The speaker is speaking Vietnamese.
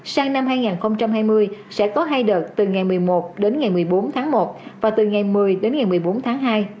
sang năm hai nghìn hai mươi sẽ có hai đợt từ ngày một mươi một đến ngày một mươi bốn tháng một và từ ngày một mươi đến ngày một mươi bốn tháng hai